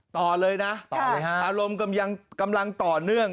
ต่อเลยนะอารมณ์กำลังต่อเนื่อง